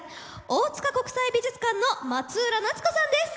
大塚国際美術館の松浦奈津子さんです！